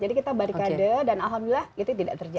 jadi kita barikade dan alhamdulillah itu tidak terjadi